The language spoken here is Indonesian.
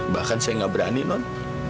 bahkan saya nggak berani non